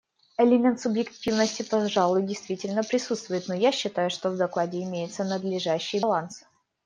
Элемент субъективности, пожалуй, действительно присутствует, но я считаю, что в докладе имеется надлежащий баланс.